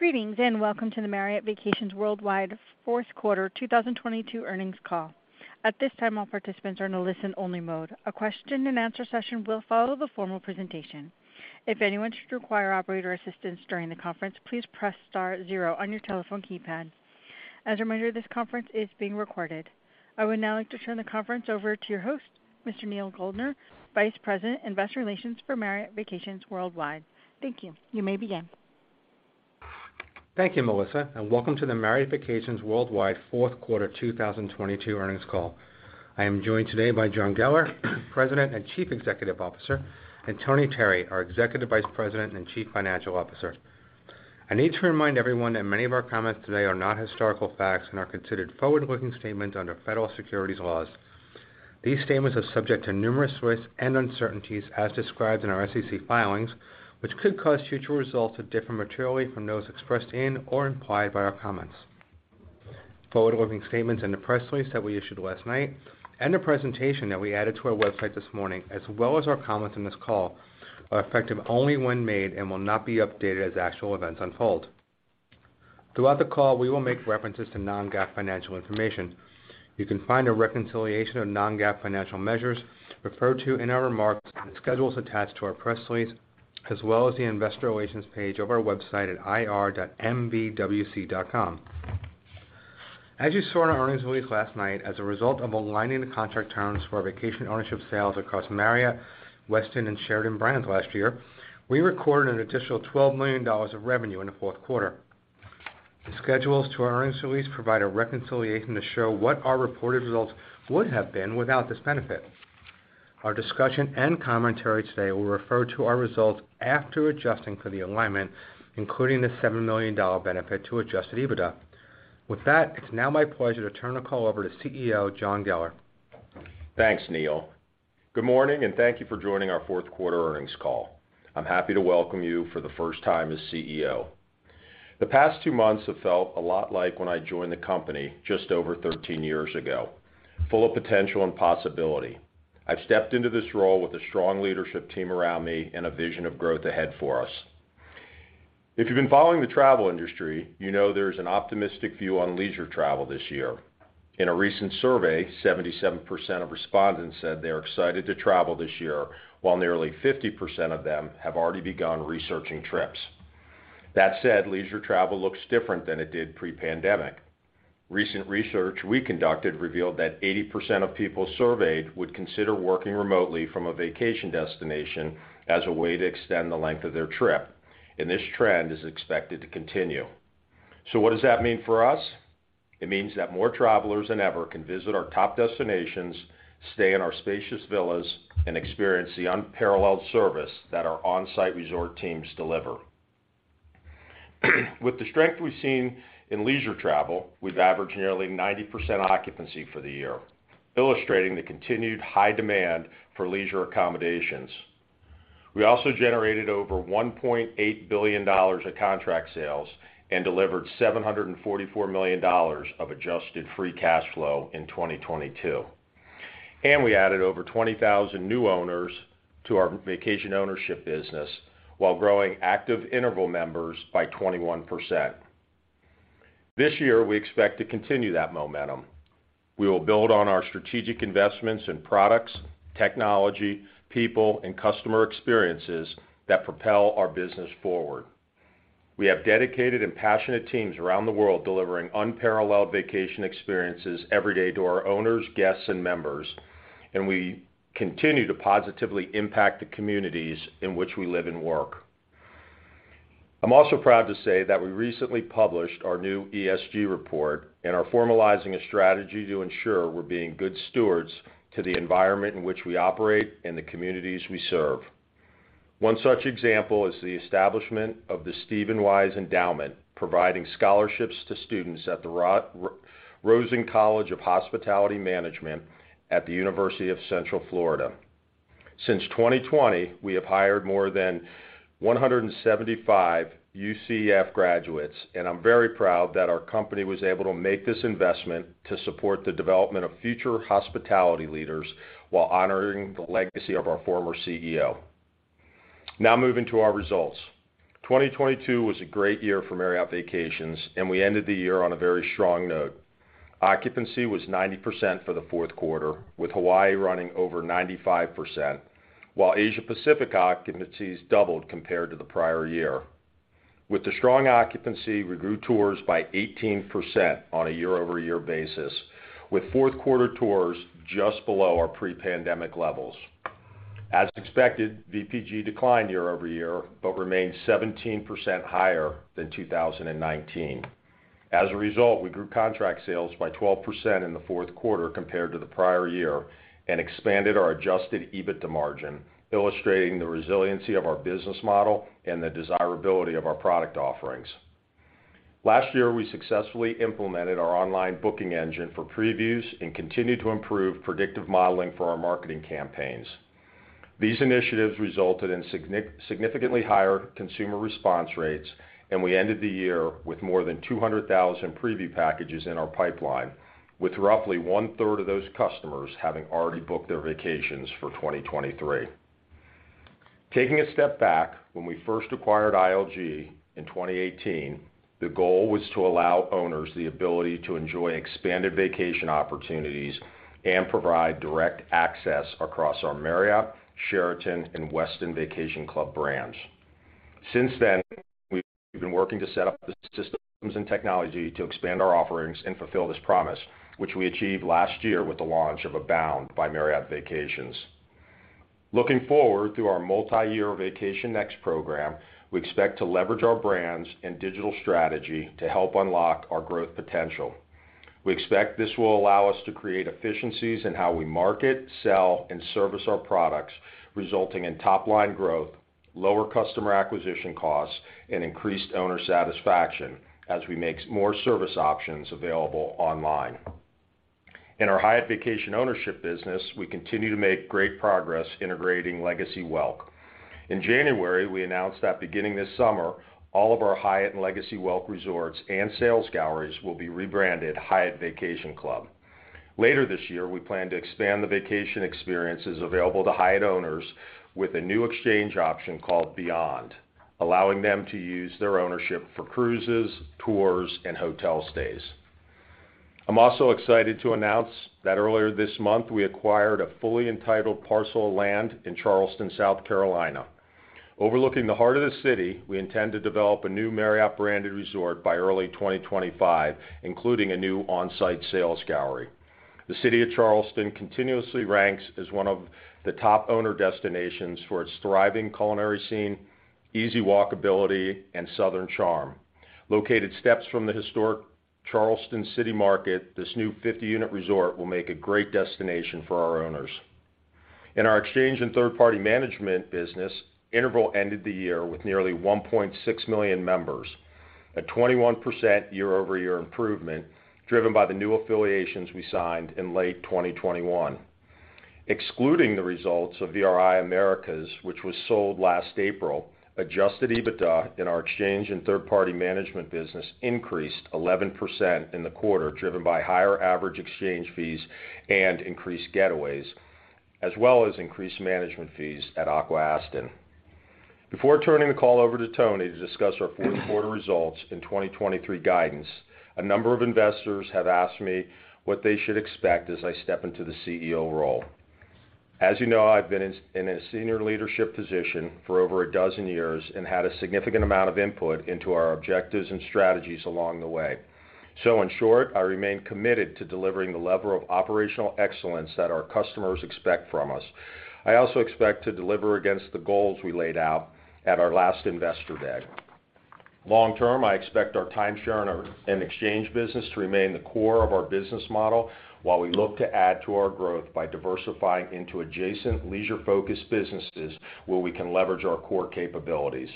Greetings, welcome to the Marriott Vacations Worldwide fourth quarter 2022 earnings call. At this time, all participants are in a listen-only mode. A question-and-answer session will follow the formal presentation. If anyone should require operator assistance during the conference, please press star zero on your telephone keypad. As a reminder, this conference is being recorded. I would now like to turn the conference over to your host, Mr. Neal Goldner, Vice President, Investor Relations for Marriott Vacations Worldwide. Thank you. You may begin. Thank you, Melissa. Welcome to the Marriott Vacations Worldwide fourth quarter 2022 earnings call. I am joined today by John Geller, President and Chief Executive Officer, Tony Terry, our Executive Vice President and Chief Financial Officer. I need to remind everyone that many of our comments today are not historical facts and are considered forward-looking statements under federal securities laws. These statements are subject to numerous risks and uncertainties as described in our SEC filings, which could cause future results to differ materially from those expressed in or implied by our comments. Forward-looking statements in the press release that we issued last night and the presentation that we added to our website this morning as well as our comments on this call are effective only when made and will not be updated as actual events unfold. Throughout the call, we will make references to non-GAAP financial information. You can find a reconciliation of non-GAAP financial measures referred to in our remarks in the schedules attached to our press release, as well as the investor relations page of our website at ir.mvwc.com. You saw in our earnings release last night, as a result of aligning the contract terms for our vacation ownership sales across Marriott, Westin, and Sheraton brands last year, we recorded an additional $12 million of revenue in the fourth quarter. The schedules to our earnings release provide a reconciliation to show what our reported results would have been without this benefit. Our discussion and commentary today will refer to our results after adjusting for the alignment, including the $7 million benefit to adjusted EBITDA. With that, it's now my pleasure to turn the call over to CEO, John Geller. Thanks, Neal. Good morning, and thank you for joining our fourth quarter earnings call. I'm happy to welcome you for the first time as CEO. The past two months have felt a lot like when I joined the company just over 13 years ago, full of potential and possibility. I've stepped into this role with a strong leadership team around me and a vision of growth ahead for us. If you've been following the travel industry, you know there's an optimistic view on leisure travel this year. In a recent survey, 77% of respondents said they are excited to travel this year, while nearly 50% of them have already begun researching trips. That said, leisure travel looks different than it did pre-pandemic. Recent research we conducted revealed that 80% of people surveyed would consider working remotely from a vacation destination as a way to extend the length of their trip, and this trend is expected to continue. What does that mean for us? It means that more travelers than ever can visit our top destinations, stay in our spacious villas, and experience the unparalleled service that our on-site resort teams deliver. With the strength we've seen in leisure travel, we've averaged nearly 90% occupancy for the year, illustrating the continued high demand for leisure accommodations. We also generated over $1.8 billion of contract sales and delivered $744 million of adjusted free cash flow in 2022, and we added over 20,000 new owners to our vacation ownership business while growing active Interval members by 21%. This year we expect to continue that momentum. We will build on our strategic investments in products, technology, people, and customer experiences that propel our business forward. We have dedicated and passionate teams around the world delivering unparalleled vacation experiences every day to our owners, guests, and members, and we continue to positively impact the communities in which we live and work. I'm also proud to say that we recently published our new ESG report and are formalizing a strategy to ensure we're being good stewards to the environment in which we operate and the communities we serve. One such example is the establishment of the Stephen Weisz Endowment, providing scholarships to students at the Rosen College of Hospitality Management at the University of Central Florida. Since 2020, we have hired more than 175 UCF graduates. I'm very proud that our company was able to make this investment to support the development of future hospitality leaders while honoring the legacy of our former CEO. Moving to our results. 2022 was a great year for Marriott Vacations, we ended the year on a very strong note. Occupancy was 90% for the fourth quarter, with Hawaii running over 95%, while Asia Pacific occupancies doubled compared to the prior year. With the strong occupancy, we grew tours by 18% on a year-over-year basis, with fourth quarter tours just below our pre-pandemic levels. As expected, VPG declined year-over-year but remained 17% higher than 2019. We grew contract sales by 12% in the fourth quarter compared to the prior year and expanded our adjusted EBITDA margin, illustrating the resiliency of our business model and the desirability of our product offerings. Last year, we successfully implemented our online booking engine for previews and continued to improve predictive modeling for our marketing campaigns. These initiatives resulted in significantly higher consumer response rates. We ended the year with more than 200,000 preview packages in our pipeline, with roughly one-third of those customers having already booked their vacations for 2023. Taking a step back, when we first acquired ILG in 2018, the goal was to allow owners the ability to enjoy expanded vacation opportunities and provide direct access across our Marriott, Sheraton, and Westin Vacation Club brands. Since then, we've been working to set up the systems and technology to expand our offerings and fulfill this promise, which we achieved last year with the launch of Abound by Marriott Vacations. Looking forward to our multiyear Vacation Next program, we expect to leverage our brands and digital strategy to help unlock our growth potential. We expect this will allow us to create efficiencies in how we market, sell, and service our products, resulting in top line growth, lower customer acquisition costs, and increased owner satisfaction as we make more service options available online. In our Hyatt Vacation Ownership business, we continue to make great progress integrating Legacy Welk. In January, we announced that beginning this summer, all of our Hyatt and Legacy Welk resorts and sales galleries will be rebranded Hyatt Vacation Club. Later this year, we plan to expand the vacation experiences available to Hyatt owners with a new exchange option called Beyond, allowing them to use their ownership for cruises, tours, and hotel stays. I'm also excited to announce that earlier this month, we acquired a fully entitled parcel of land in Charleston, South Carolina. Overlooking the heart of the city, we intend to develop a new Marriott-branded resort by early 2025, including a new on-site sales gallery. The city of Charleston continuously ranks as one of the top owner destinations for its thriving culinary scene, easy walkability, and Southern charm. Located steps from the historic Charleston City Market, this new 50-unit resort will make a great destination for our owners. In our exchange and third-party management business, Interval ended the year with nearly 1.6 million members, a 21% year-over-year improvement driven by the new affiliations we signed in late 2021. Excluding the results of VRI Americas, which was sold last April, adjusted EBITDA in our exchange and third-party management business increased 11% in the quarter, driven by higher average exchange fees and increased getaways, as well as increased management fees at Aqua-Aston. Before turning the call over to Tony to discuss our fourth quarter results and 2023 guidance, a number of investors have asked me what they should expect as I step into the CEO role. You know, I've been in a senior leadership position for over a dozen years and had a significant amount of input into our objectives and strategies along the way. In short, I remain committed to delivering the level of operational excellence that our customers expect from us. I also expect to deliver against the goals we laid out at our last Investor Day. Long term, I expect our timeshare and our exchange business to remain the core of our business model while we look to add to our growth by diversifying into adjacent leisure-focused businesses where we can leverage our core capabilities.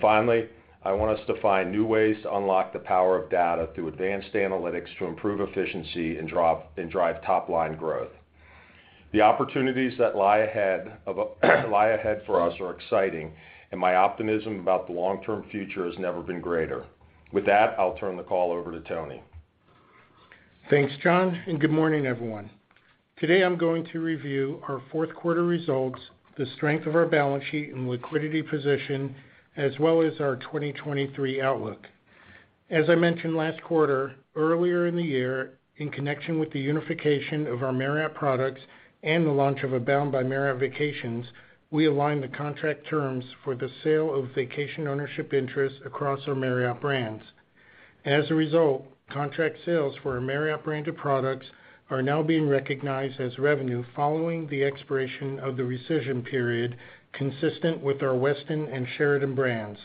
Finally, I want us to find new ways to unlock the power of data through advanced analytics to improve efficiency and drive top-line growth. The opportunities that lie ahead for us are exciting, and my optimism about the long-term future has never been greater. With that, I'll turn the call over to Tony. Thanks, John. Good morning, everyone. Today, I'm going to review our fourth quarter results, the strength of our balance sheet and liquidity position, as well as our 2023 outlook. As I mentioned last quarter, earlier in the year, in connection with the unification of our Marriott products and the launch of Abound by Marriott Vacations, we aligned the contract terms for the sale of vacation ownership interests across our Marriott brands. As a result, contract sales for our Marriott-branded products are now being recognized as revenue following the expiration of the rescission period, consistent with our Westin and Sheraton brands.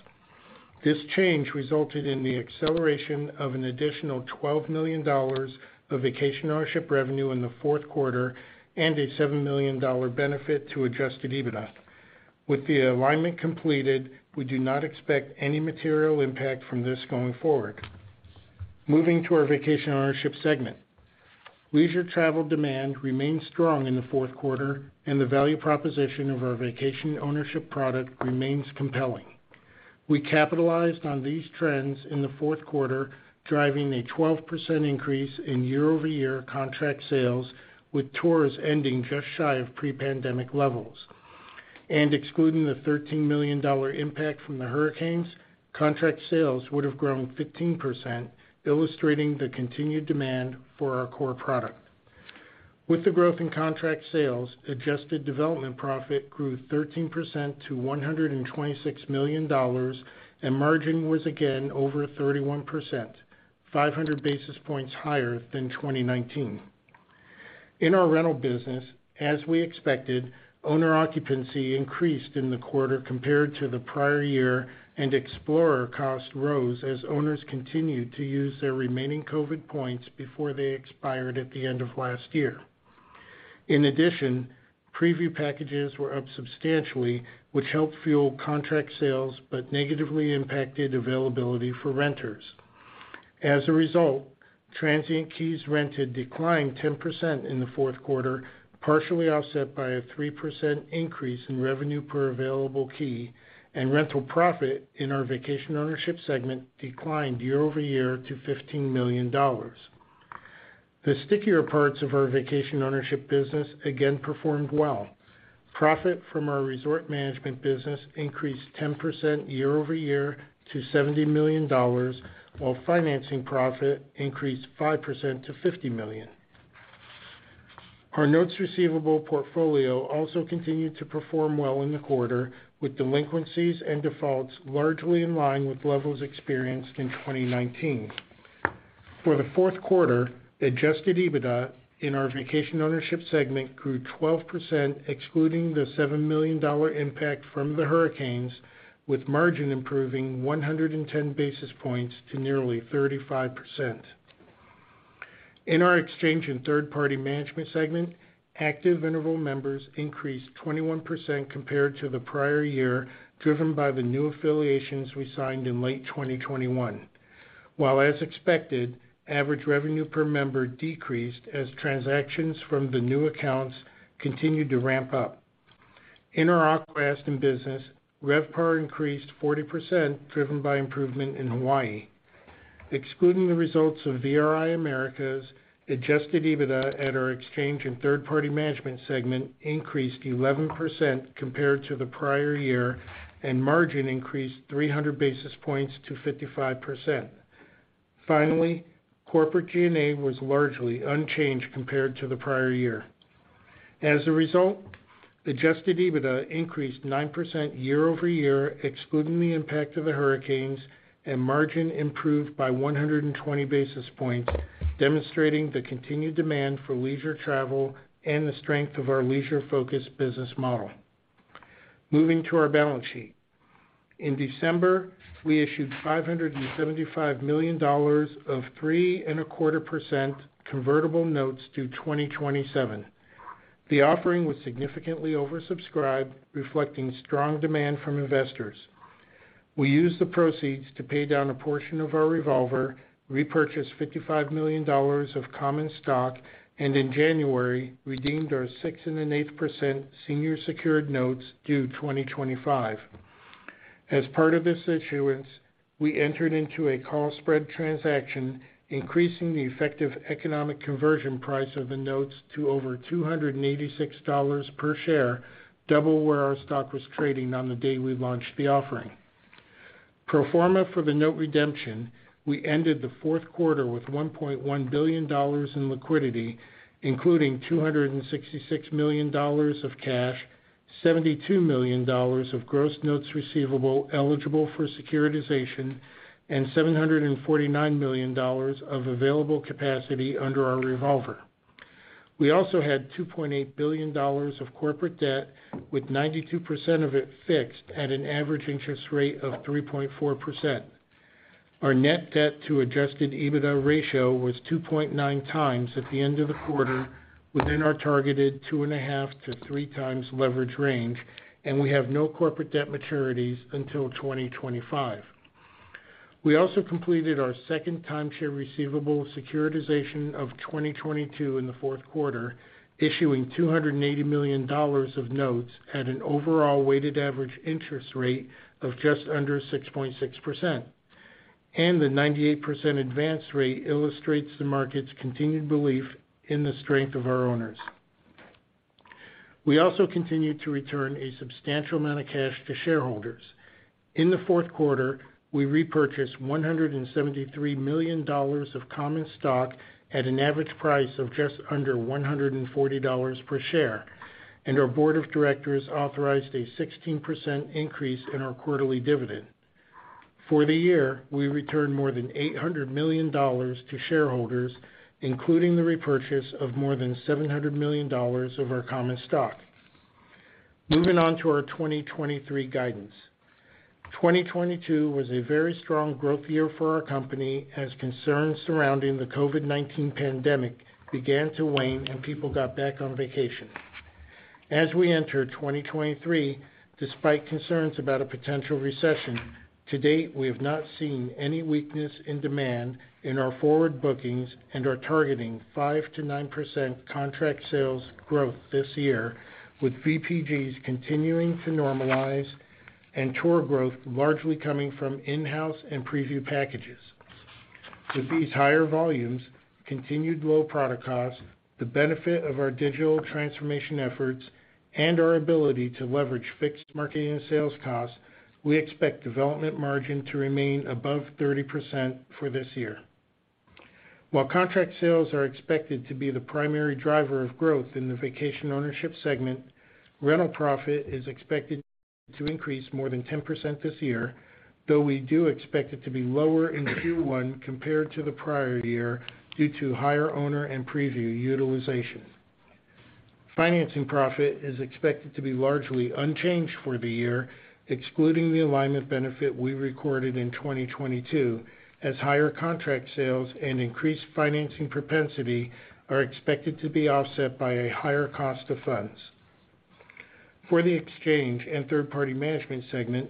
This change resulted in the acceleration of an additional $12 million of vacation ownership revenue in the fourth quarter and a $7 million benefit to adjusted EBITDA. With the alignment completed, we do not expect any material impact from this going forward. Moving to our vacation ownership segment. Leisure travel demand remained strong in the fourth quarter, the value proposition of our vacation ownership product remains compelling. We capitalized on these trends in the fourth quarter, driving a 12% increase in year-over-year contract sales, with tours ending just shy of pre-pandemic levels. Excluding the $13 million impact from the hurricanes, contract sales would have grown 15%, illustrating the continued demand for our core product. With the growth in contract sales, adjusted development profit grew 13% to $126 million, and margin was again over 31%, 500 basis points higher than 2019. In our rental business, as we expected, owner occupancy increased in the quarter compared to the prior year, and Explorer cost rose as owners continued to use their remaining COVID-19 points before they expired at the end of last year. In addition, preview packages were up substantially, which helped fuel contract sales but negatively impacted availability for renters. Transient keys rented declined 10% in the fourth quarter, partially offset by a 3% increase in revenue per available key, and rental profit in our vacation ownership segment declined year-over-year to $15 million. The stickier parts of our vacation ownership business again performed well. Profit from our resort management business increased 10% year-over-year to $70 million, while financing profit increased 5% to $50 million. Our notes receivable portfolio also continued to perform well in the quarter, with delinquencies and defaults largely in line with levels experienced in 2019. For the fourth quarter, adjusted EBITDA in our vacation ownership segment grew 12%, excluding the $7 million impact from the hurricanes, with margin improving 110 basis points to nearly 35%. In our exchange and third-party management segment, active Interval members increased 21% compared to the prior year, driven by the new affiliations we signed in late 2021. As expected, average revenue per member decreased as transactions from the new accounts continued to ramp up. In our Aqua Aston business, RevPAR increased 40% driven by improvement in Hawaii. Excluding the results of VRI Americas, adjusted EBITDA at our exchange and third-party management segment increased 11% compared to the prior year, and margin increased 300 basis points to 55%. Corporate G&A was largely unchanged compared to the prior year. Adjusted EBITDA increased 9% year-over-year, excluding the impact of the hurricanes, and margin improved by 120 basis points, demonstrating the continued demand for leisure travel and the strength of our leisure-focused business model. Moving to our balance sheet. In December, we issued $575 million of 3.25% convertible notes to 2027. The offering was significantly oversubscribed, reflecting strong demand from investors. We used the proceeds to pay down a portion of our revolver, repurchase $55 million of common stock, and in January, redeemed our 6.8% senior secured notes due 2025. As part of this issuance, we entered into a call spread transaction, increasing the effective economic conversion price of the notes to over $286 per share, double where our stock was trading on the day we launched the offering. Pro forma for the note redemption, we ended the fourth quarter with $1.1 billion in liquidity, including $266 million of cash, $72 million of gross notes receivable eligible for securitization, and $749 million of available capacity under our revolver. We also had $2.8 billion of corporate debt, with 92% of it fixed at an average interest rate of 3.4%. Our net debt to adjusted EBITDA ratio was 2.9x at the end of the quarter within our targeted 2.5-3x leverage range, we have no corporate debt maturities until 2025. We also completed our second timeshare receivable securitization of 2022 in the fourth quarter, issuing $280 million of notes at an overall weighted average interest rate of just under 6.6%. The 98% advance rate illustrates the market's continued belief in the strength of our owners. We also continued to return a substantial amount of cash to shareholders. In the fourth quarter, we repurchased $173 million of common stock at an average price of just under $140 per share. Our board of directors authorized a 16% increase in our quarterly dividend. For the year, we returned more than $800 million to shareholders, including the repurchase of more than $700 million of our common stock. Moving on to our 2023 guidance. 2022 was a very strong growth year for our company as concerns surrounding the COVID-19 pandemic began to wane and people got back on vacation. As we enter 2023, despite concerns about a potential recession, to date, we have not seen any weakness in demand in our forward bookings and are targeting 5%-9% contract sales growth this year, with VPGs continuing to normalize and tour growth largely coming from in-house and preview packages. With these higher volumes, continued low product costs, the benefit of our digital transformation efforts, and our ability to leverage fixed marketing and sales costs, we expect development margin to remain above 30% for this year. While contract sales are expected to be the primary driver of growth in the vacation ownership segment, rental profit is expected to increase more than 10% this year, though we do expect it to be lower in Q1 compared to the prior year due to higher owner and preview utilization. Financing profit is expected to be largely unchanged for the year, excluding the alignment benefit we recorded in 2022, as higher contract sales and increased financing propensity are expected to be offset by a higher cost of funds. For the exchange and third-party management segment,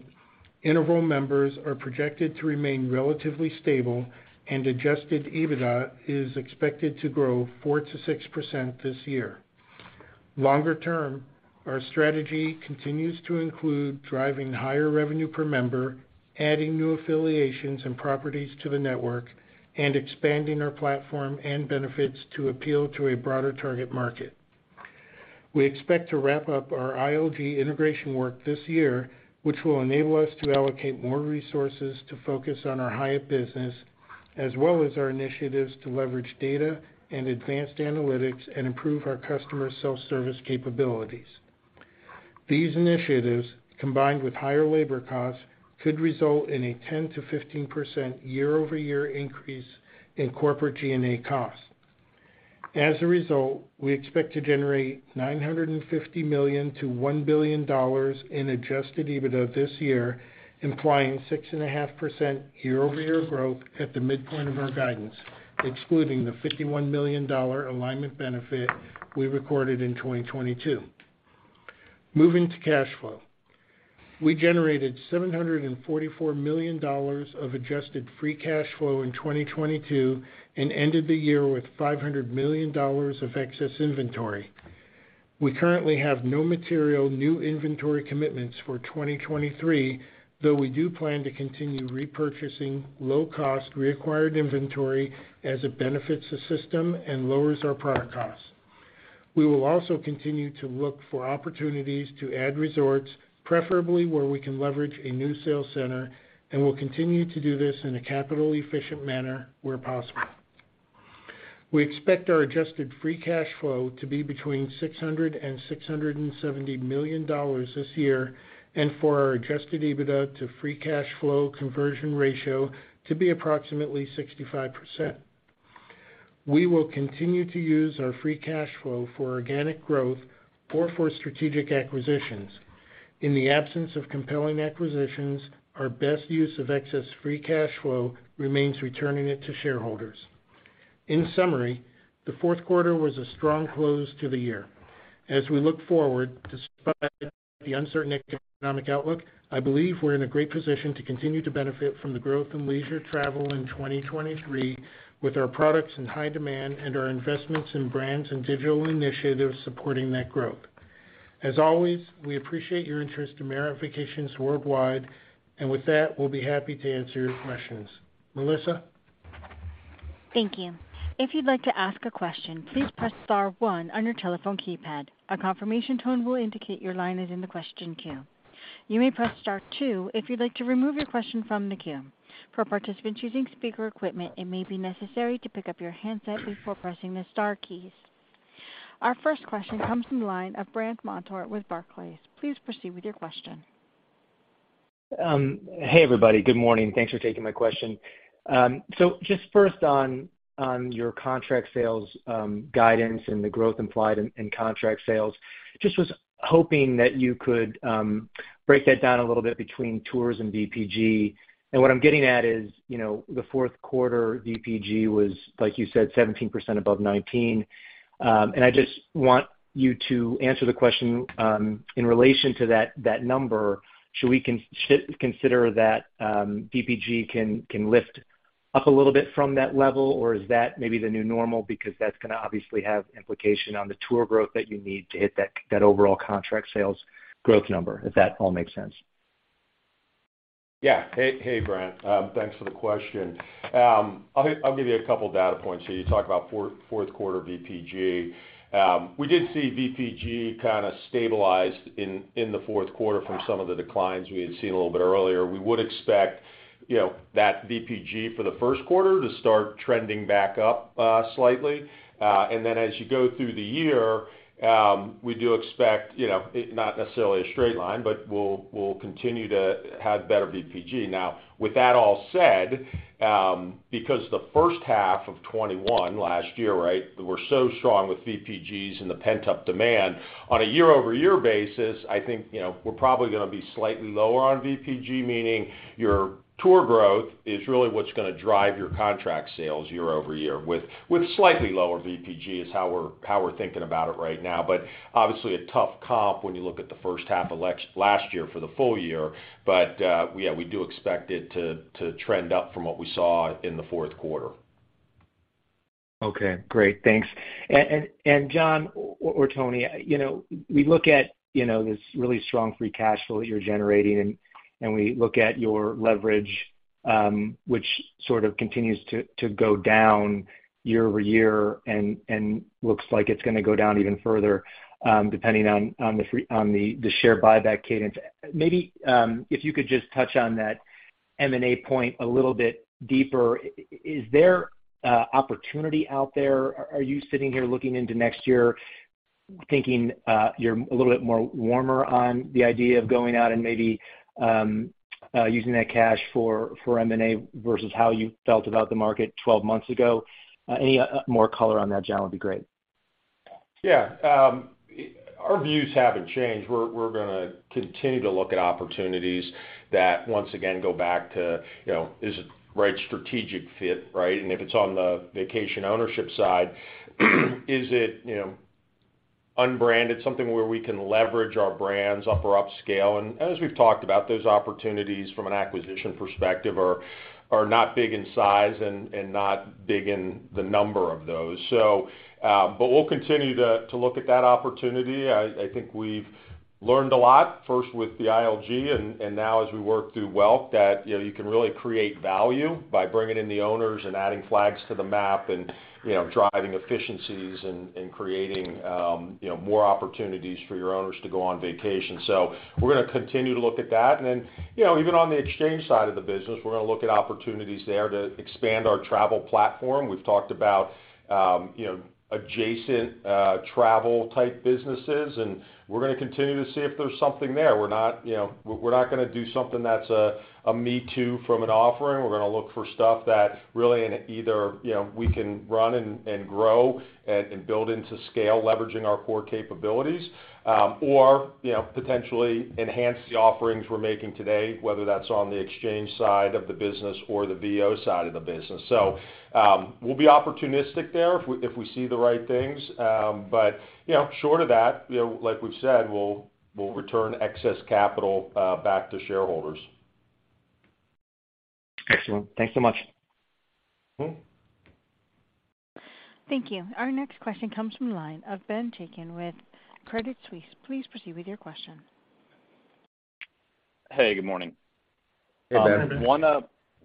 Interval members are projected to remain relatively stable and adjusted EBITDA is expected to grow 4%-6% this year. Longer term, our strategy continues to include driving higher revenue per member, adding new affiliations and properties to the network, and expanding our platform and benefits to appeal to a broader target market. We expect to wrap up our ILG integration work this year, which will enable us to allocate more resources to focus on our Hyatt business, as well as our initiatives to leverage data and advanced analytics and improve our customer self-service capabilities. These initiatives, combined with higher labor costs, could result in a 10%-15% year-over-year increase in corporate G&A costs. We expect to generate $950 million-$1 billion in adjusted EBITDA this year, implying 6.5% year-over-year growth at the midpoint of our guidance, excluding the $51 million alignment benefit we recorded in 2022. Moving to cash flow. We generated $744 million of adjusted free cash flow in 2022 and ended the year with $500 million of excess inventory. We currently have no material new inventory commitments for 2023, though we do plan to continue repurchasing low-cost reacquired inventory as it benefits the system and lowers our product costs. We will also continue to look for opportunities to add resorts, preferably where we can leverage a new sales center, we'll continue to do this in a capital efficient manner where possible. We expect our adjusted free cash flow to be between $600 million and $670 million this year, for our adjusted EBITDA to free cash flow conversion ratio to be approximately 65%. We will continue to use our free cash flow for organic growth or for strategic acquisitions. In the absence of compelling acquisitions, our best use of excess free cash flow remains returning it to shareholders. In summary, the fourth quarter was a strong close to the year. As we look forward, despite the uncertain economic outlook, I believe we're in a great position to continue to benefit from the growth in leisure travel in 2023 with our products in high demand and our investments in brands and digital initiatives supporting that growth. As always, we appreciate your interest in Marriott Vacations Worldwide. With that, we'll be happy to answer your questions. Melissa? Thank you. If you'd like to ask a question, please press star one on your telephone keypad. A confirmation tone will indicate your line is in the question queue. You may press star two if you'd like to remove your question from the queue. For participants using speaker equipment, it may be necessary to pick up your handset before pressing the star keys. Our first question comes from the line of Brandt Montour with Barclays. Please proceed with your question. Hey, everybody. Good morning. Thanks for taking my question. Just first on your contract sales, guidance and the growth implied in contract sales. Just was hoping that you could break that down a little bit between tours and VPG. What I'm getting at is, you know, the fourth quarter VPG was, like you said, 17% above 2019. I just want you to answer the question in relation to that number. Should we consider that VPG can lift up a little bit from that level, or is that maybe the new normal? That's gonna obviously have implication on the tour growth that you need to hit that overall contract sales growth number, if that all makes sense. Yeah. Hey, hey, Brandt. Thanks for the question. I'll give you a couple data points here. You talked about fourth quarter VPG. We did see VPG kinda stabilize in the fourth quarter from some of the declines we had seen a little bit earlier. We would expect, you know, that VPG for the first quarter to start trending back up slightly. As you go through the year, we do expect, you know, not necessarily a straight line, but we'll continue to have better VPG. With that all said, because the first half of 2021 last year, right, were so strong with VPGs and the pent-up demand, on a year-over-year basis, I think, you know, we're probably gonna be slightly lower on VPG, meaning your tour growth is really what's gonna drive your contract sales year-over-year with slightly lower VPG is how we're thinking about it right now. Obviously a tough comp when you look at the first half of last year for the full year. Yeah, we do expect it to trend up from what we saw in the fourth quarter. Okay, great. Thanks. John or Tony, you know, we look at, you know, this really strong free cash flow that you're generating, and we look at your leverage, which sort of continues to go down year-over-year and looks like it's gonna go down even further, depending on the share buyback cadence. Maybe, if you could just touch on that M&A point a little bit deeper. Is there opportunity out there? Are you sitting here looking into next year thinking, you're a little bit more warmer on the idea of going out and maybe using that cash for M&A versus how you felt about the market 12 months ago? Any more color on that, John, would be great. Yeah. Our views haven't changed. We're gonna continue to look at opportunities that once again go back to, you know, is it right strategic fit, right? If it's on the vacation ownership side, is it. Unbranded something where we can leverage our brands upper upscale. As we've talked about those opportunities from an acquisition perspective are not big in size and not big in the number of those. But we'll continue to look at that opportunity. I think we've learned a lot, first with the ILG and now as we work through Welk, that, you know, you can really create value by bringing in the owners and adding flags to the map and, you know, driving efficiencies and creating, you know, more opportunities for your owners to go on vacation. We're gonna continue to look at that. Then, you know, even on the exchange side of the business, we're gonna look at opportunities there to expand our travel platform. We've talked about, you know, adjacent, travel type businesses. We're gonna continue to see if there's something there. We're not, you know, we're not gonna do something that's a me too from an offering. We're gonna look for stuff that really in either, you know, we can run and grow and build into scale, leveraging our core capabilities, or, you know, potentially enhance the offerings we're making today, whether that's on the exchange side of the business or the VO side of the business. We'll be opportunistic there if we, if we see the right things. You know, short of that, you know, like we've said, we'll return excess capital back to shareholders. Excellent. Thank you so much. Mm-hmm. Thank you. Our next question comes from the line of Ben Chaiken with Crédit Suisse. Please proceed with your question. Hey, good morning. Hey, Ben.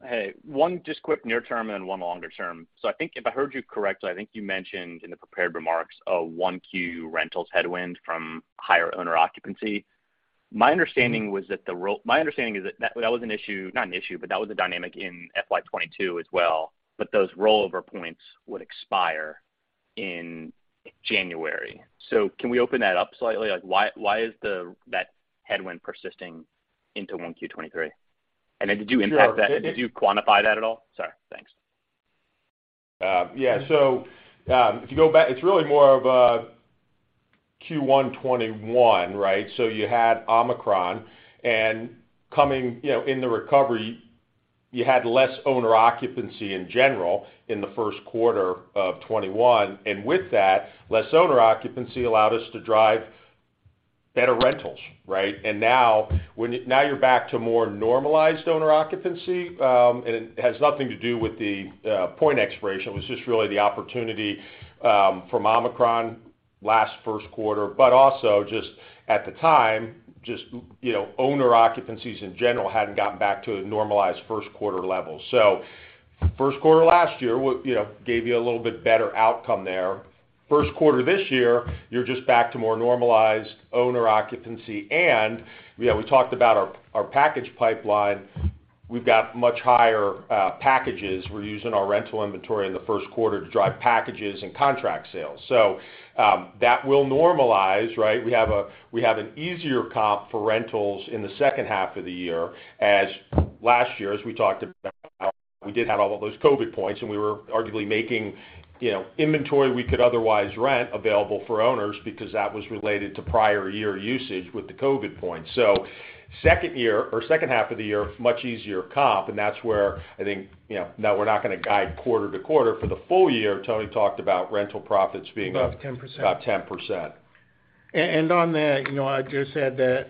Hey. One just quick near term and one longer term. I think if I heard you correctly, I think you mentioned in the prepared remarks a 1Q rentals headwind from higher owner occupancy. My understanding was that my understanding is that that was not an issue, but that was a dynamic in FY 2022 as well, but those rollover points would expire in January. Can we open that up slightly? Like, why is that headwind persisting into 1Q 2023? Did you impact that? Did you quantify that at all? Sorry. Thanks. Yeah. If you go back, it's really more of a Q1 2021, right? You had Omicron and coming, you know, in the recovery, you had less owner occupancy in general in the first quarter of 2021. With that, less owner occupancy allowed us to drive better rentals, right? Now you're back to more normalized owner occupancy, and it has nothing to do with the point expiration. It was just really the opportunity from Omicron last first quarter, but also just at the time, just, you know, owner occupancies in general hadn't gotten back to a normalized first quarter level. First quarter last year, you know, gave you a little bit better outcome there. First quarter this year, you're just back to more normalized owner occupancy. We talked about our package pipeline. We've got much higher packages. We're using our rental inventory in the first quarter to drive packages and contract sales. That will normalize, right? We have an easier comp for rentals in the second half of the year as last year, as we talked about, we did have all of those COVID points, and we were arguably making, you know, inventory we could otherwise rent available for owners because that was related to prior year usage with the COVID points. second year or second half of the year, much easier comp. That's where I think, you know, now we're not gonna guide quarter-to-quarter. For the full year, Tony talked about rental profits being. About 10%. About 10%. And on that, you know, I just add that,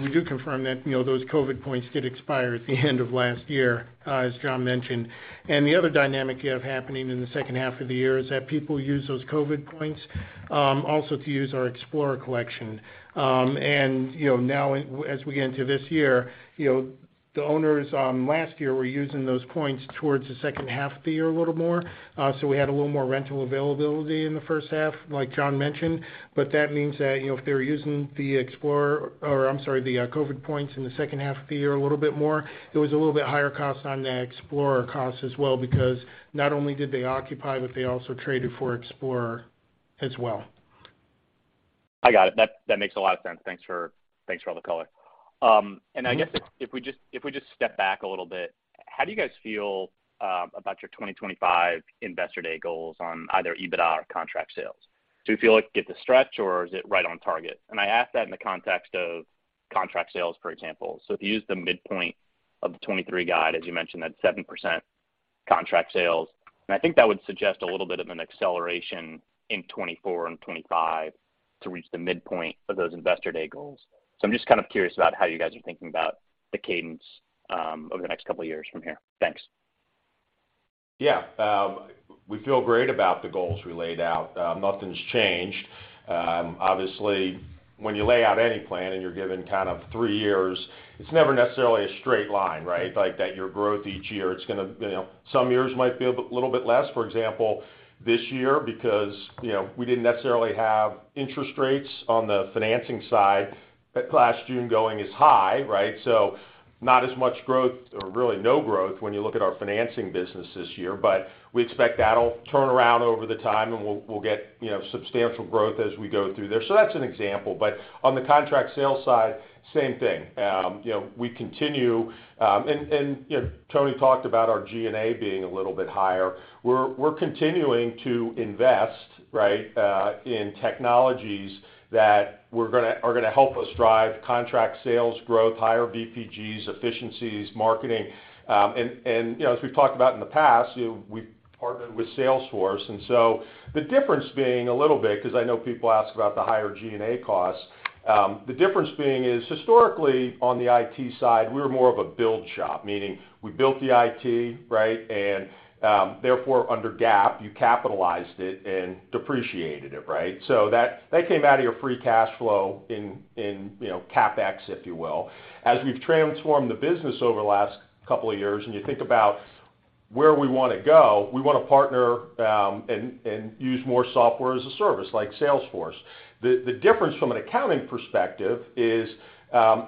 we do confirm that, you know, those COVID points did expire at the end of last year, as John mentioned. The other dynamic you have happening in the second half of the year is that people use those COVID points, also to use our Explorer Collection. You know, now as we get into this year, you know, the owners, last year were using those points towards the second half of the year a little more. So we had a little more rental availability in the first half, like John mentioned. That means that, you know, if they're using the Explorer or, I'm sorry, the COVID points in the second half of the year a little bit more, it was a little bit higher cost on the Explorer costs as well because not only did they occupy, but they also traded for Explorer as well. I got it. That makes a lot of sense. Thanks for all the color. I guess if we just step back a little bit, how do you guys feel about your 2025 Investor Day goals on either EBITDA or contract sales? Do you feel like it's a stretch or is it right on target? I ask that in the context of contract sales, for example. If you use the midpoint of the 23 guide, as you mentioned, that's 7% contract sales. I think that would suggest a little bit of an acceleration in 24 and 25 to reach the midpoint of those Investor Day goals. I'm just kind of curious about how you guys are thinking about the cadence over the next couple of years from here. Thanks. Yeah. We feel great about the goals we laid out. Nothing's changed. Obviously, when you lay out any plan and you're given kind of three years, it's never necessarily a straight line, right? Like that your growth each year, it's gonna, you know, some years might be a little bit less, for example, this year, because, you know, we didn't necessarily have interest rates on the financing side last June going as high, right? Not as much growth or really no growth when you look at our financing business this year, but we expect that'll turn around over the time and we'll get, you know, substantial growth as we go through there. That's an example. On the contract sales side, same thing. You know, we continue. You know, Tony talked about our G&A being a little bit higher. We're continuing to invest, right, in technologies that are gonna help us drive contract sales growth, higher VPGs, efficiencies, marketing. As we've talked about in the past, you know, we've partnered with Salesforce. The difference being a little bit, 'cause I know people ask about the higher G&A costs. The difference being is historically on the IT side, we were more of a build shop, meaning we built the IT, right? Therefore under GAAP, you capitalized it and depreciated it, right? That came out of your free cash flow in, you know, CapEx, if you will. As we've transformed the business over the last couple of years, and you think about where we wanna go, we wanna partner and use more software as a service like Salesforce. The difference from an accounting perspective is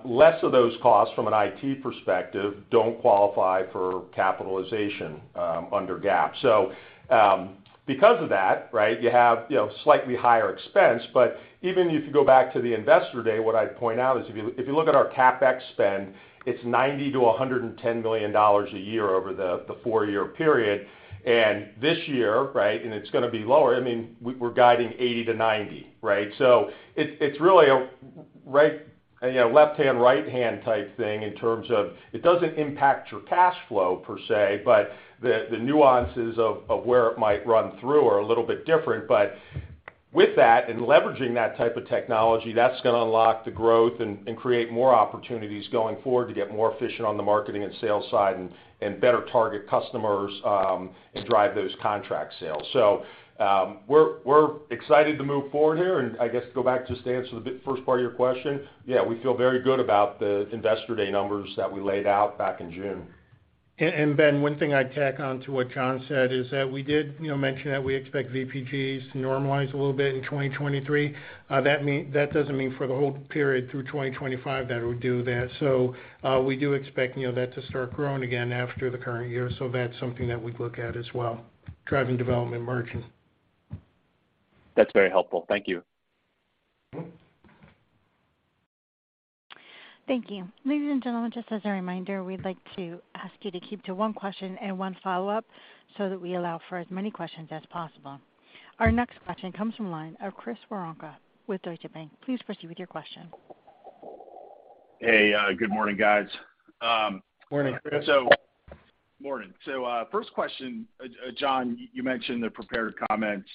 less of those costs from an IT perspective don't qualify for capitalization under GAAP. Because of that, right, you have, you know, slightly higher expense, but even if you go back to the Investor Day, what I'd point out is if you, if you look at our CapEx spend, it's $90 million-$110 million a year over the four-year period. This year, right, it's gonna be lower, I mean, we're guiding 80-90, right? It's really a left-hand, right-hand type thing in terms of it doesn't impact your cash flow per se, but the nuances of where it might run through are a little bit different. With that and leveraging that type of technology, that's gonna unlock the growth and create more opportunities going forward to get more efficient on the marketing and sales side and better target customers, and drive those contract sales. We're excited to move forward here and I guess go back just to answer the first part of your question. Yeah, we feel very good about the Investor Day numbers that we laid out back in June. Ben, one thing I'd tack on to what John said is that we did, you know, mention that we expect VPGs to normalize a little bit in 2023. That doesn't mean for the whole period through 2025 that it would do that. We do expect, you know, that to start growing again after the current year. That's something that we'd look at as well, driving development margin. That's very helpful. Thank you. Mm-hmm. Thank you. Ladies and gentlemen, just as a reminder, we'd like to ask you to keep to one question and one follow-up so that we allow for as many questions as possible. Our next question comes from line of Chris Woronka with Deutsche Bank. Please proceed with your question. Hey, good morning, guys. Morning, Chris. Morning. First question. John, you mentioned the prepared comments,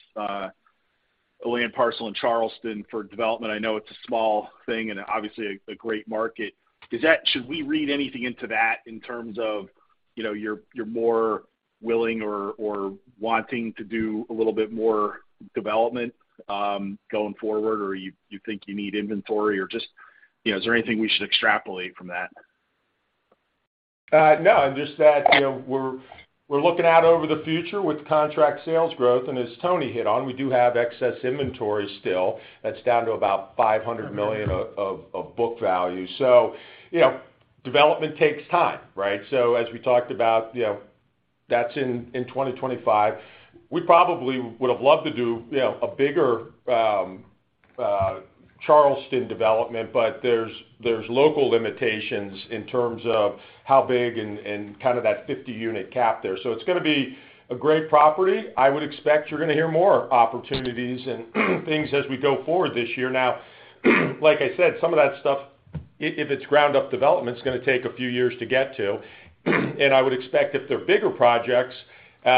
a land parcel in Charleston for development. I know it's a small thing and obviously a great market. Should we read anything into that in terms of, you know, you're more willing or wanting to do a little bit more development going forward, or you think you need inventory or just, you know, is there anything we should extrapolate from that? No, just that, you know, we're looking out over the future with contract sales growth. As Tony hit on, we do have excess inventory still. That's down to about $500 million of book value. You know, development takes time, right? As we talked about, you know, that's in 2025. We probably would have loved to do, you know, a bigger Charleston development, but there's local limitations in terms of how big and kind of that 50-unit cap there. It's gonna be a great property. I would expect you're gonna hear more opportunities and things as we go forward this year. Like I said, some of that stuff, if it's ground-up development, it's gonna take a few years to get to. I would expect if they're bigger projects, you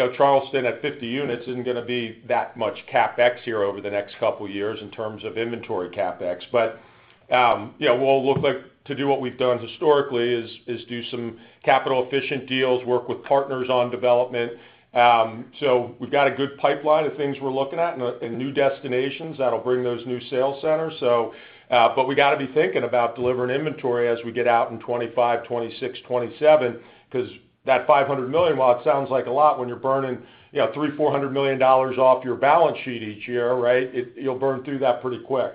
know, Charleston at 50 units isn't gonna be that much CapEx here over the next couple of years in terms of inventory CapEx. You know, we'll look like to do what we've done historically is do some capital-efficient deals, work with partners on development. We've got a good pipeline of things we're looking at and new destinations that'll bring those new sales centers, so. We gotta be thinking about delivering inventory as we get out in 2025, 2026, 2027, 'cause that $500 million, while it sounds like a lot when you're burning, you know, $300 million-$400 million off your balance sheet each year, right? You'll burn through that pretty quick.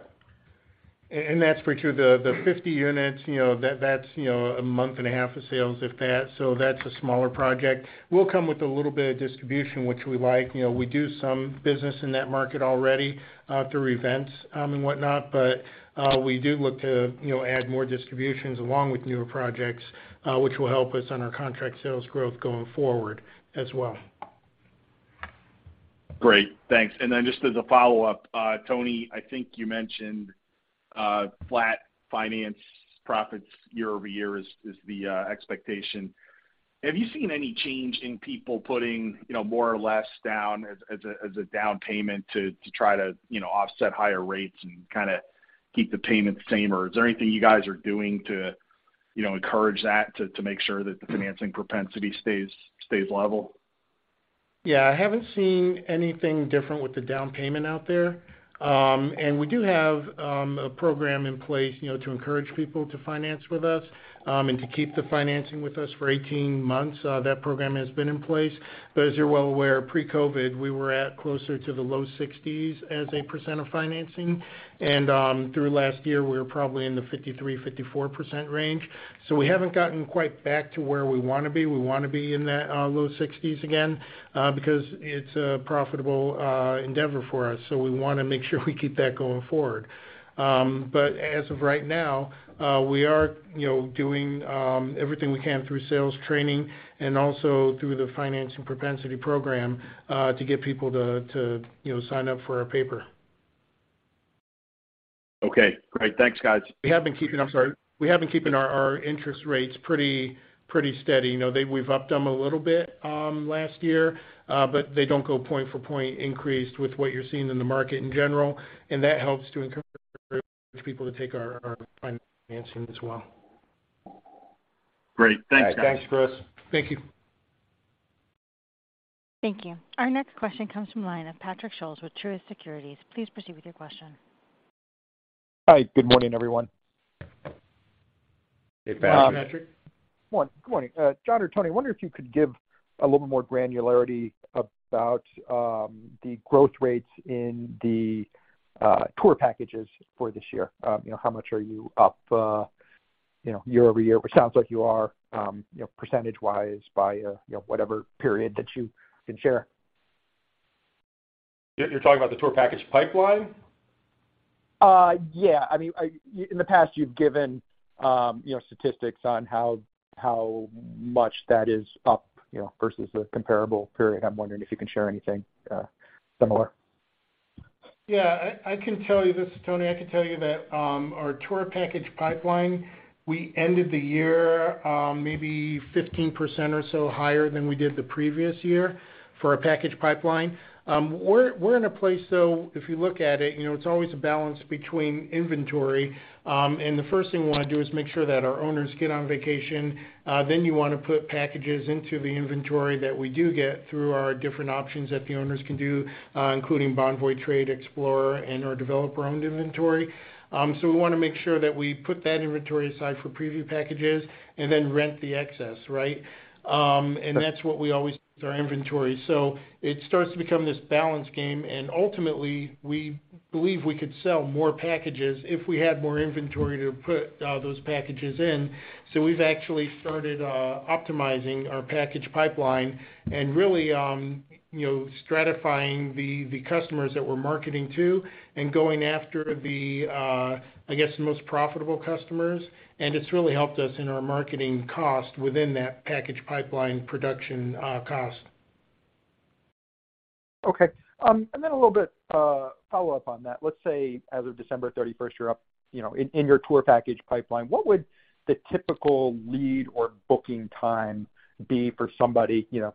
That's pretty true. The, the 50 units, you know, that's, you know, a month and a half of sales, if that. That's a smaller project. We'll come with a little bit of distribution, which we like. You know, we do some business in that market already through events and whatnot. We do look to, you know, add more distributions along with newer projects, which will help us on our contract sales growth going forward as well. Great. Thanks. Then just as a follow-up, Tony, I think you mentioned flat finance profits year-over-year is the expectation. Have you seen any change in people putting, you know, more or less down as a down payment to try to, you know, offset higher rates and kinda keep the payment the same? Or is there anything you guys are doing to, you know, encourage that to make sure that the financing propensity stays level? Yeah. I haven't seen anything different with the down payment out there. We do have, a program in place, you know, to encourage people to finance with us, and to keep the financing with us for 18 months. That program has been in place. As you're well aware, pre-COVID, we were at closer to the low 60s as a % of financing. Through last year, we were probably in the 53%-54% range. We haven't gotten quite back to where we wanna be. We wanna be in that low 60s again because it's a profitable endeavor for us. We wanna make sure we keep that going forward. As of right now, we are, you know, doing everything we can through sales training and also through the financial propensity program, to get people to, you know, sign up for our paper. Okay, great. Thanks, guys. I'm sorry. We have been keeping our interest rates pretty steady. You know, we've upped them a little bit last year, but they don't go point for point increased with what you're seeing in the market in general, and that helps to encourage people to take our financing as well. Great. Thanks, guys. Thanks, Chris. Thank you. Thank you. Our next question comes from line of Patrick Scholes with Truist Securities. Please proceed with your question. Hi, good morning, everyone. Hey, Pat, Patrick. Good morning. John or Tony, I wonder if you could give a little more granularity about the growth rates in the tour packages for this year. You know, how much are you up, you know, year-over-year? It sounds like you are, you know, percentage-wise by, you know, whatever period that you can share. You're talking about the tour package pipeline? Yeah. I mean, in the past, you've given, you know, statistics on how much that is up, you know, versus the comparable period. I'm wondering if you can share anything similar. Yeah. I can tell you this. Tony, I can tell you that our tour package pipeline, we ended the year maybe 15% or so higher than we did the previous year for our package pipeline. We're in a place, though, if you look at it, you know, it's always a balance between inventory. The first thing we wanna do is make sure that our owners get on vacation. You wanna put packages into the inventory that we do get through our different options that the owners can do, including Bonvoy Trade, Explorer, and our developer-owned inventory. We wanna make sure that we put that inventory aside for preview packages then rent the excess, right? That's what we always do with our inventory. It starts to become this balance game. Ultimately, we believe we could sell more packages if we had more inventory to put, those packages in. We've actually started, optimizing our package pipeline and really, you know, stratifying the customers that we're marketing to and going after the, I guess, the most profitable customers. It's really helped us in our marketing cost within that package pipeline production, cost. Okay. A little bit, follow-up on that. Let's say as of December 31st, you're up, you know, in your tour package pipeline, what would the typical lead or booking time be for somebody, you know,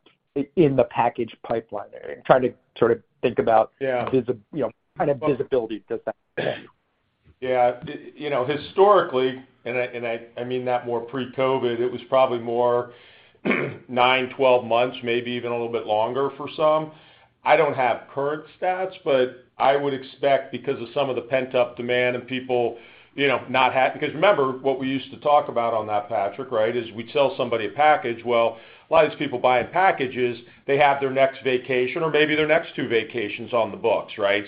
in the package pipeline? Trying to sort of think about... Yeah. you know, what kind of visibility does that give you? You know, historically, I mean that more pre-COVID, it was probably more nine, 12 months, maybe even a little bit longer for some. I don't have current stats, but I would expect because of some of the pent-up demand and people, you know, because remember, what we used to talk about on that, Patrick, right, is we'd sell somebody a package. A lot of these people buying packages, they have their next vacation or maybe their next two vacations on the books, right?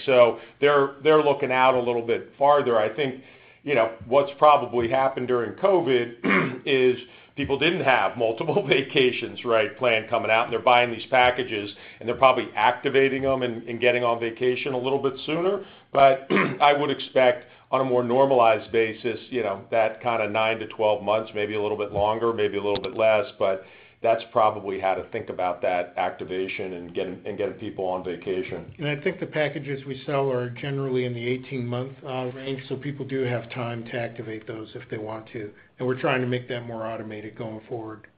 They're looking out a little bit farther. I think, you know, what's probably happened during COVID is people didn't have multiple vacations, right, planned coming out, and they're buying these packages, and they're probably activating them and getting on vacation a little bit sooner. I would expect on a more normalized basis, you know, that kinda nine-12 months, maybe a little bit longer, maybe a little bit less, but that's probably how to think about that activation and getting, and getting people on vacation. I think the packages we sell are generally in the 18-month range, so people do have time to activate those if they want to, and we're trying to make that more automated going forward.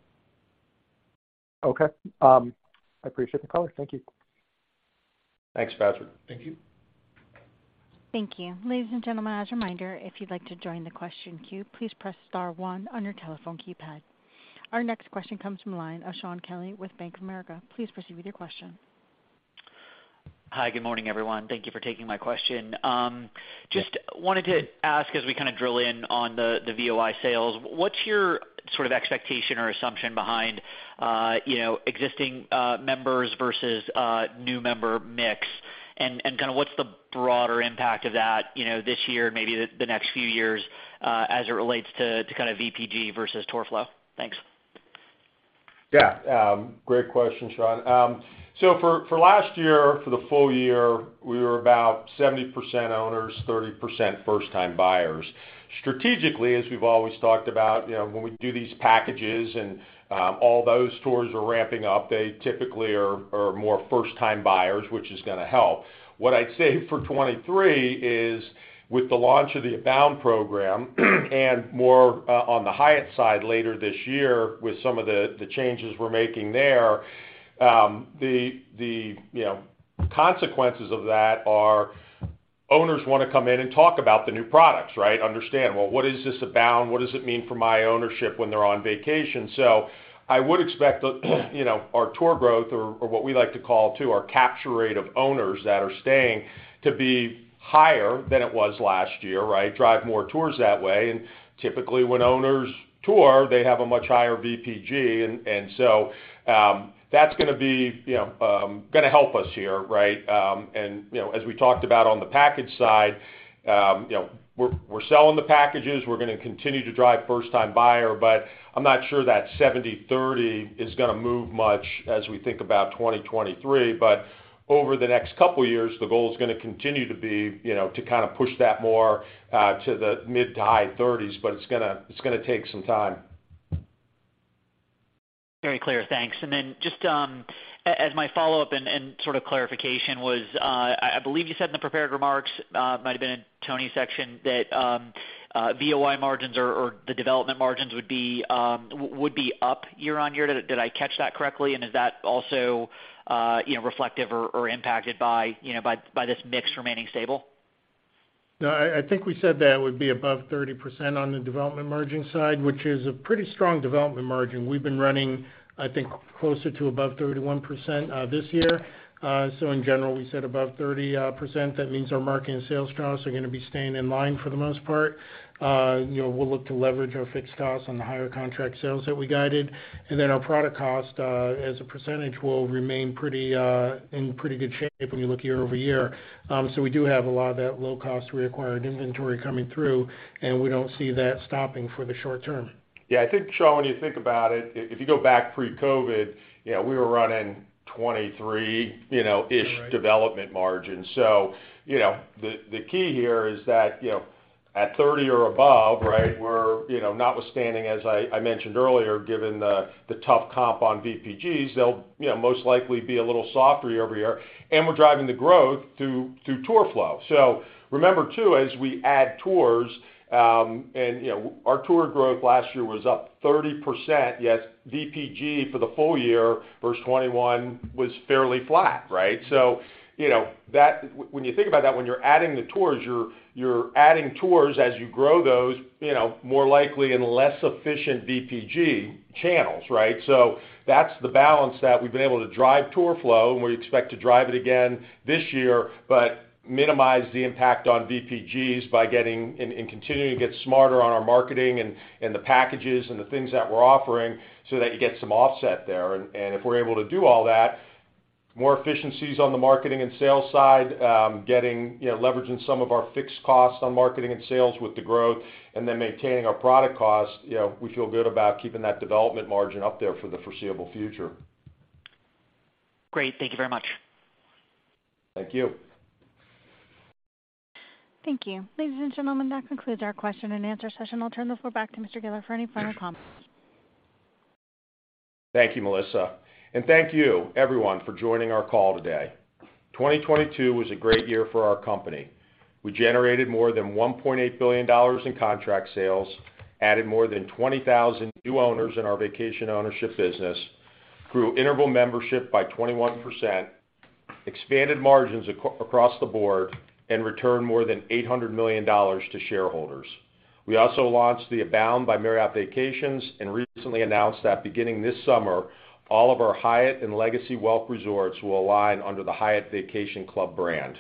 Okay. I appreciate the color. Thank you. Thanks, Patrick. Thank you. Thank you. Ladies and gentlemen, as a reminder, if you'd like to join the question queue, please press star one on your telephone keypad. Our next question comes from line of Shaun Kelley with Bank of America. Please proceed with your question. Hi. Good morning, everyone. Thank you for taking my question. Just wanted to ask, as we kinda drill in on the VOI sales, what's your sort of expectation or assumption behind, you know, existing members versus new member mix? Kinda what's the broader impact of that, you know, this year, maybe the next few years, as it relates to kind of VPG versus TOR flow? Thanks. Yeah. Great question, Shaun. For last year, for the full year, we were about 70% owners, 30% first-time buyers. Strategically, as we've always talked about, you know, when we do these packages and all those tours are ramping up, they typically are more first-time buyers, which is gonna help. I'd say for 2023 is with the launch of the Abound program and more on the Hyatt side later this year with some of the changes we're making there, the, you know, consequences of that are owners wanna come in and talk about the new products, right? Understand, well, what is this Abound? What does it mean for my ownership when they're on vacation? I would expect the, you know, our tour growth or what we like to call too, our capture rate of owners that are staying to be higher than it was last year, right? Drive more tours that way. Typically, when owners tour, they have a much higher VPG and so, that's gonna be, you know, gonna help us here, right? You know, as we talked about on the package side, you know, we're selling the packages, we're gonna continue to drive first time buyer, but I'm not sure that 70-30 is gonna move much as we think about 2023. Over the next couple of years, the goal is gonna continue to be, you know, to kinda push that more to the mid to high 30s, but it's gonna, it's gonna take some time. Very clear. Thanks. Then just as my follow-up and sort of clarification was, I believe you said in the prepared remarks, might have been in Tony's section that VOI margins or the development margins would be up year-on-year. Did I catch that correctly? Is that also, you know, reflective or impacted by, you know, by this mix remaining stable? I think we said that would be above 30% on the development margin side, which is a pretty strong development margin. We've been running, I think, closer to above 31% this year. In general, we said above 30%. That means our marketing and sales costs are gonna be staying in line for the most part. You know, we'll look to leverage our fixed costs on the higher contract sales that we guided. Our product cost as a percentage will remain pretty in pretty good shape when you look year-over-year. We do have a lot of that low cost reacquired inventory coming through, and we don't see that stopping for the short term. I think, Shaun, when you think about it, if you go back pre-COVID, you know, we were running 23, you know, -ish development margin. You know, the key here is that, you know, at 30 or above, right, we're, you know, notwithstanding, as I mentioned earlier, given the tough comp on VPGs, they'll, you know, most likely be a little softer year-over-year, and we're driving the growth through tour flow. Remember too, as we add tours, and, you know, our tour growth last year was up 30%, yet VPG for the full year versus 2021 was fairly flat, right? You know, when you think about that, when you're adding the tours, you're adding tours as you grow those, you know, more likely in less efficient VPG channels, right? That's the balance that we've been able to drive tour flow, and we expect to drive it again this year, but minimize the impact on VPGs by getting and continuing to get smarter on our marketing and the packages and the things that we're offering so that you get some offset there. If we're able to do all that, more efficiencies on the marketing and sales side, getting, you know, leveraging some of our fixed costs on marketing and sales with the growth, and then maintaining our product costs, you know, we feel good about keeping that development margin up there for the foreseeable future. Great. Thank you very much. Thank you. Thank you. Ladies and gentlemen, that concludes our question and answer session. I'll turn the floor back to Mr. Geller for any final comments. Thank you, Melissa. Thank you everyone for joining our call today. 2022 was a great year for our company. We generated more than $1.8 billion in contract sales, added more than 20,000 new owners in our vacation ownership business, grew Interval membership by 21%, expanded margins across the board, and returned more than $800 million to shareholders. We also launched the Abound by Marriott Vacations and recently announced that beginning this summer, all of our Hyatt and Legacy Welk resorts will align under the Hyatt Vacation Club brand.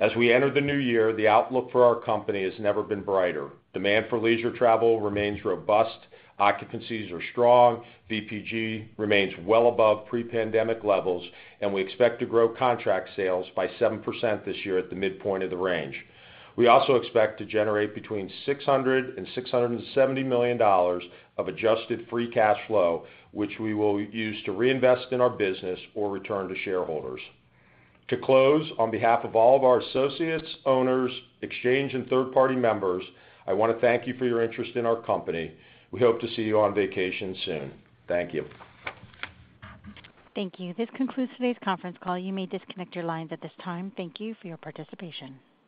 As we enter the new year, the outlook for our company has never been brighter. Demand for leisure travel remains robust, occupancies are strong, VPG remains well above pre-pandemic levels, and we expect to grow contract sales by 7% this year at the midpoint of the range. We also expect to generate between $600 million and $670 million of adjusted free cash flow, which we will use to reinvest in our business or return to shareholders. To close, on behalf of all of our associates, owners, exchange and third-party members, I wanna thank you for your interest in our company. We hope to see you on vacation soon. Thank you. Thank you. This concludes today's conference call. You may disconnect your lines at this time. Thank you for your participation.